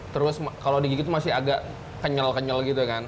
terus kalau digigit itu masih agak kenyal kenyal gitu kan